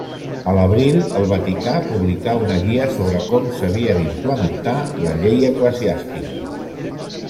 A l'abril, el Vaticà publicà una guia sobre com s'havia d'implementar la llei eclesiàstica.